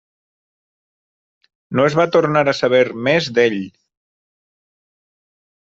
No es va tornar a saber més d'ell.